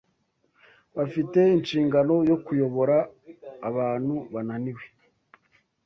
Bafite inshingano yo kuyobora abantu banāniwe